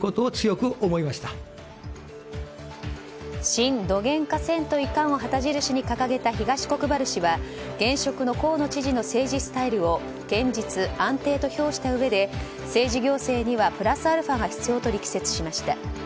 シン・どげんかせんといかんを旗印に掲げた東国原氏は現職の河野知事の政治スタイルを堅実・安定と評したうえで政治行政にはプラスアルファが必要と力説されました。